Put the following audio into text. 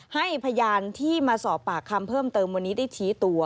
ให้พยานที่มาสอบปากคำเพิ่มเติมวันนี้ได้ชี้ตัว